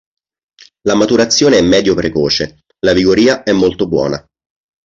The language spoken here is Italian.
La maturazione è medio-precoce, la vigoria è molto buona.